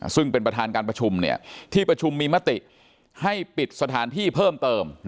ซึ่งเป็นประธานการประชุมที่ประชุมมีมติให้ปิดสถานที่เพิ่มเติม